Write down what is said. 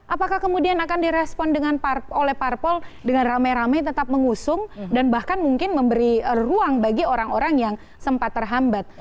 apakah kemudian akan direspon oleh parpol dengan rame rame tetap mengusung dan bahkan mungkin memberi ruang bagi orang orang yang sempat terhambat